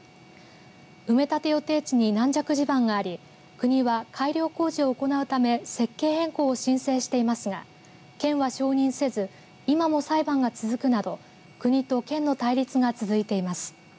埋め立て予定地に軟弱地盤があり国は改良工事を行うため設計変更を申請していますが県は承認せず今も裁判が続くなど国と県の対立が続いています。